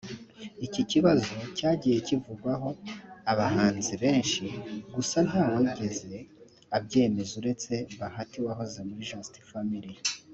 Iki kibazo cyagiye kivugwaho abahanzi benshi gusa ntawigeze abyemera uretse Bahati wahoze muri Just Family